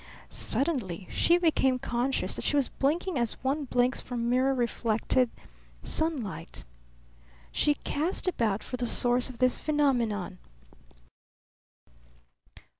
Suddenly she became conscious that she was blinking as one blinks from mirror reflected sunlight. She cast about for the source of this phenomenon.